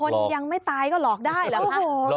คนยังไม่ตายก็หลอกได้เหรอครับหลอกพระด้วย